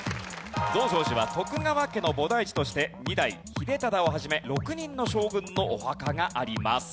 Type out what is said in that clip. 増上寺は徳川家の菩提寺として２代秀忠をはじめ６人の将軍のお墓があります。